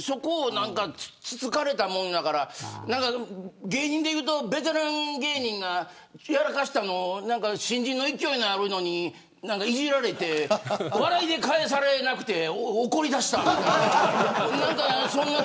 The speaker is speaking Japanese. そこをつつかれたから芸人で言うとベテラン芸人がやらかしたのを新人の勢いのあるのにいじられて笑いでかえされなくて怒り出した。